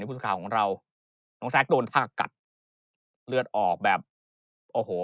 ในพูดข่าวของเราโรงแซ็กโดนภาคกัดเลือดออกแบบโอ้โห